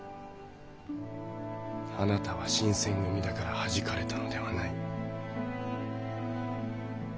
あなたは新選組だからはじかれたのではない。